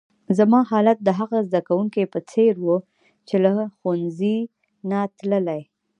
زما حالت د هغه زده کونکي په څېر وو، چي له ښوونځۍ نه تللی.